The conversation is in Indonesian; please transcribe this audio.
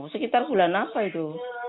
sekitar bulan apa itu